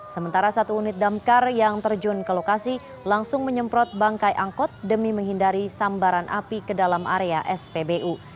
sementara satu unit damkar yang terjun ke lokasi langsung menyemprot bangkai angkot demi menghindari sambaran api ke dalam area spbu